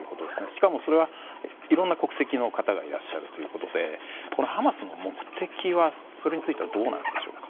しかもそれはいろんな国籍の方がいらっしゃるということでハマスの目的についてはどうなのでしょうか。